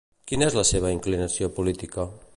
Quina és la seva inclinació política?